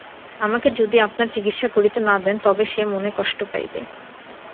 আমাকে যদি আপনার চিকিৎসা করিতে না দেন, তবে সে মনে কষ্ট পাইবে।